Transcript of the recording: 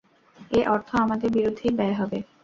এ অর্থ আমাদের বিরুদ্ধেই ব্যয় হবে।